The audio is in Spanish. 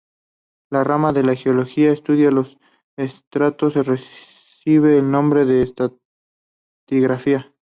La rama de la geología que estudia los estratos recibe el nombre de estratigrafía.